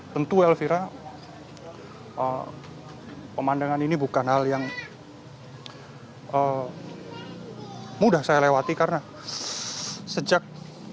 tentu elvira pemandangan ini bukan hal yang mudah saya lewati karena sejak